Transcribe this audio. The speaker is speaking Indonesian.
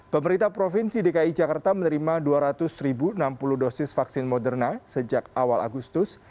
pemerintah provinsi dki jakarta menerima dua ratus enam puluh dosis vaksin moderna sejak awal agustus